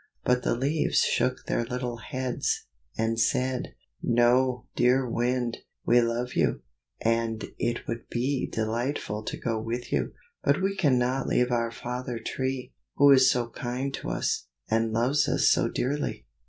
But the leaves shook their little heads, and said, "No, dear Wind! we love you, and it would be delightful to go with you, but we cannot leave our father Tree, who is so kind to us, and loves us so dearly."